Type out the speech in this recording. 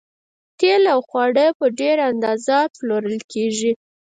تیل او خواړه په ډیره اندازه پلورل کیږي